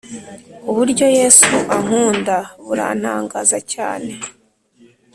Uburyo yesu ankunda burantangaza cyane